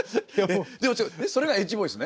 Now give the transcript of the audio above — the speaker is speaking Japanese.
でもそれがエッジボイスね。